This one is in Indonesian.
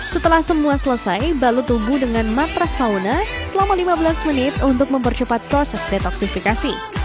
setelah semua selesai balut tubuh dengan matras sauna selama lima belas menit untuk mempercepat proses detoksifikasi